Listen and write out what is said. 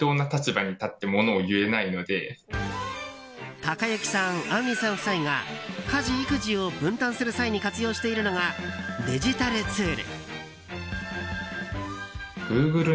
たかゆきさんあんりさん夫妻が家事・育児を分担する際に活用しているのがデジタルツール。